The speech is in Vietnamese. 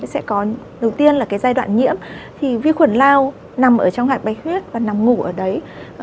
sẽ có đầu tiên là cái giai đoạn nhiễm thì vi khuẩn lao nằm ở trong hạt bạch huyết và nằm ngủ ở đấy